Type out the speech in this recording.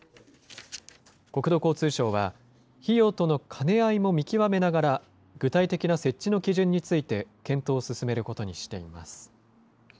国土交通省は、費用との兼ね合いも見極めながら、具体的な設置の基準について検討を進めることにしています。